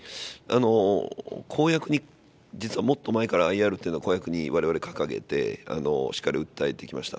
公約に、実はもっと前から、ＩＲというのを公約にわれわれ、掲げて、しっかり訴えてきました。